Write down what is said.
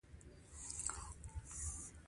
• د اور ځواک د صنعت لومړنی عامل و.